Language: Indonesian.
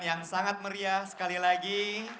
yang sangat meriah sekali lagi